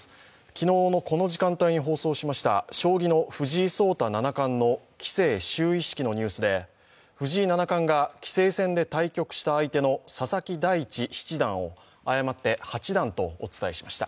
昨日のこの時間帯に放送しました将棋の藤井聡太七冠の棋聖就位式のニュースで藤井七冠が棋聖戦で対局した相手の佐々木大地七段を誤って、八段とお伝えしました。